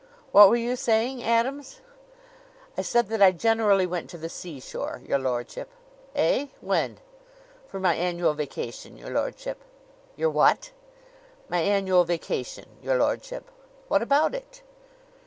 "What were you saying, Adams?" "I said that I generally went to the seashore, your lordship." "Eh? When?" "For my annual vacation, your lordship." "Your what?" "My annual vacation, your lordship." "What about it?"